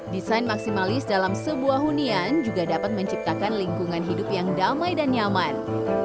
desain maksimalis dalam sebuah hunian juga dapat menciptakan lingkungan hidup yang damai dan nyaman